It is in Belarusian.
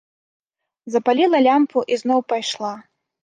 Запаліла лямпу і зноў пайшла.